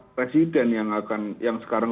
presiden yang sekarang